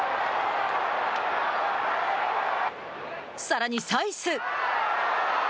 さらに、サイス。